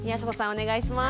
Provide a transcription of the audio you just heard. お願いします。